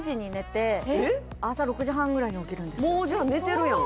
もうじゃあ寝てるやん